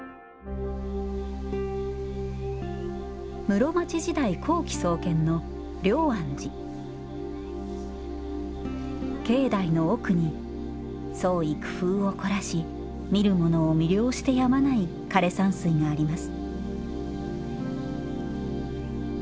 室町時代後期創建の境内の奥に創意工夫を凝らし見る者を魅了してやまない枯山水があります